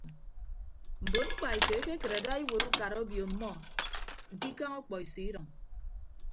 Mbon mkpaeto ekekịt ada iwuot ukara obio ọmmọ nte ikañ ọkpọiso idʌñ.